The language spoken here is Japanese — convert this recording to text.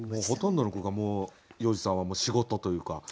ほとんどの句がもう要次さんは仕事というか。